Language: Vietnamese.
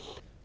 những năm qua